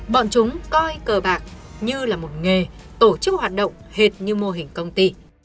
bọn chúng coi cờ bạc như là một nghề tổ chức hoạt động hệt như mô hình công ty